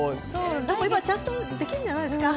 ちゃんとできるんじゃないですか？